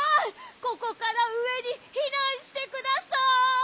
ここからうえにひなんしてください！